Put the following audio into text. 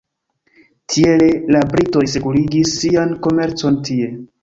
Tiele la britoj sekurigis sian komercon tie.